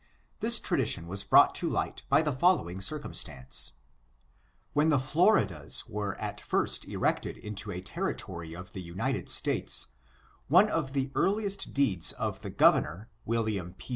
This tradition was brought to light by the following cir cumstance. When the Florida^ were at first erected into a ter ritory of the United States, one of the earliest deeds of the Governor, William P.